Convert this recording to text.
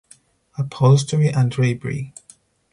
Upholstery and drapery.